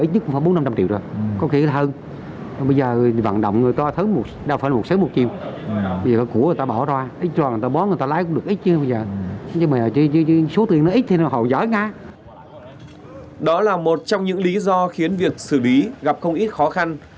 đó là một trong những lý do khiến việc xử lý gặp không ít khó khăn